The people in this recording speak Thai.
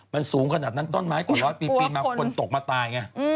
มันสูงขนาดนั้นต้นไม้กว่าร้อยปีปีนมาคนตกมาตายไง